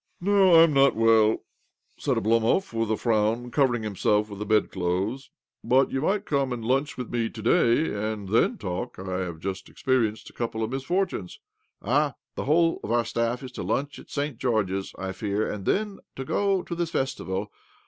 "No, I am not well," said Oblomov with a frown, covering himself with the bed clothes. " But you might come and lunch with me to day, and then talk. I have just experienced a couple of misfortunes." " Ah ! The whole of our staff is to lunch at St. George's,' I fear, and then to go on to the festival.